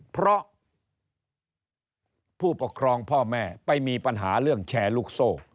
เพราะผู้ปกครองพ่อแม่ไปมีปัญหาเรื่องแชร์ลูกโซ่